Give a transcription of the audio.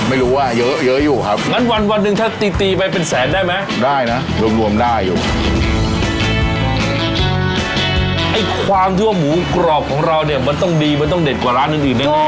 ไอ้ความที่ว่าหมูกรอบของเราเนี่ยมันต้องดีมันต้องเด็ดกว่าร้านอื่นยังไง